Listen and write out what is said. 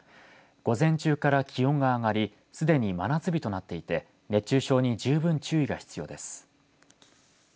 午前中から気温が上がりすでに真夏日となっていて熱中症に十分注意が必要です。